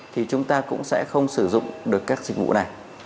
thì chúng ta cũng sẽ không sử dụng được các dịch vụ này